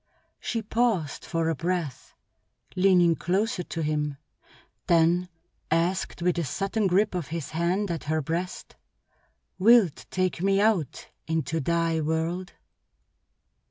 She paused for a breath, leaning closer to him, then asked with a sudden grip of his hand at her breast: "Wilt take me out into thy world?"